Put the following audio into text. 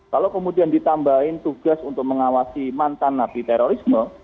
kalau kemudian ditambahin tugas untuk mengawasi mantan napi terorisme